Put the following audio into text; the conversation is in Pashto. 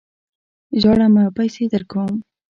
ژاړه مه ! پیسې درکوم.